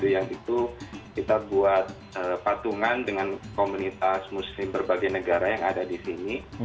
yang itu kita buat patungan dengan komunitas muslim berbagai negara yang ada di sini